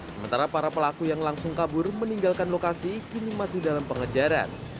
sementara para pelaku yang langsung kabur meninggalkan lokasi kini masih dalam pengejaran